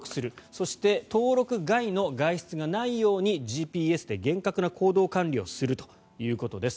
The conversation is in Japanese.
そして登録外の外出がないようにＧＰＳで厳格な行動管理をするということです。